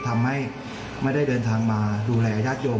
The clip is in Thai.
ทำให้ไม่ได้เดินทางมาดูแลญาติโยม